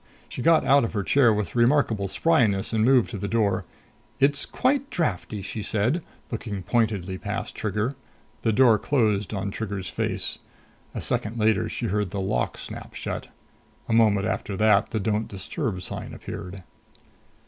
She got out of her chair with remarkable spryness and moved to the door. "It's quite drafty," she said, looking pointedly past Trigger. The door closed on Trigger's face. A second later, she heard the lock snap shut. A moment after that, the don't disturb sign appeared.